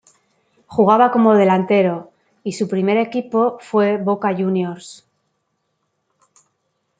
Jugaba como delantero y su primer equipo fue Boca Juniors.